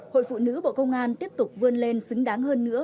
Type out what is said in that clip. hội phụ nữ bộ công an tiếp tục vươn lên xứng đáng hơn nữa